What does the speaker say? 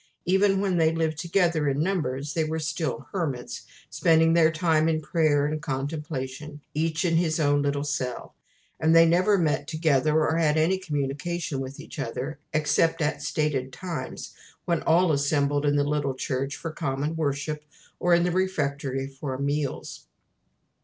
Even when they lived together in numbers they were still hermits, spending their time in prayer and contemplation, each in his own little cell; and they never met together, or had any communication with each other, except at stated times, when all assembled in the little church for common worship, or in the refectory for meals.